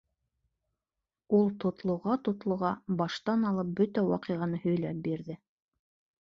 Ул, тотлоға-тотлоға, баштан алып бөтә ваҡиғаны һөйләп бирҙе.